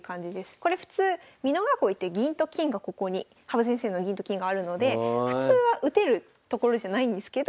これ普通美濃囲いって銀と金がここに羽生先生の銀と金があるので普通は打てるところじゃないんですけど。